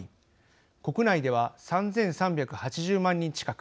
国内では３，３８０万人近く。